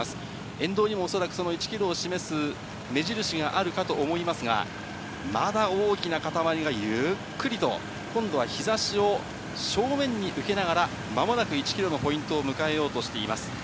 沿道にも恐らくその１キロを示す目印があるかと思いますが、まだ大きな固まりがゆっくりと、今度は日ざしを正面に受けながら、まもなく１キロのポイントを迎えようとしています。